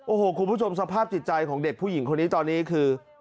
โอ้โหคุณผู้ชมสภาพจิตใจของเด็กผู้หญิงคนนี้ตอนนี้คือ